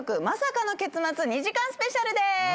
マサカの結末２時間スペシャルです。